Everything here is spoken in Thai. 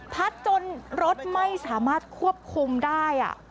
พัดจนรถไม่สามารถควบคุมได้